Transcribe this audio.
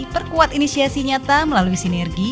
perkuat inisiasi nyata melalui sinergi